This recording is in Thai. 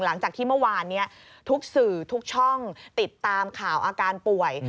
หลังจากที่เมื่อวานนี้ทุกสื่อทุกช่องติดตามข่าวอาการป่วย